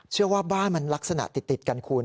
เชื่อว่าบ้านมันลักษณะติดกันคุณ